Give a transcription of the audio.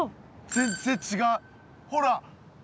全然違うほら。